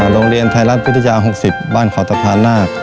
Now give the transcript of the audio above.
โรงเรียนไทยรัฐวิทยา๖๐บ้านเขาสะพานนาค